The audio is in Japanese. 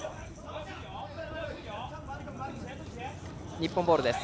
日本ボールです。